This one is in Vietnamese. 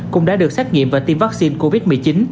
cũng đã được xét nghiệm và tiêm vaccine covid một mươi chín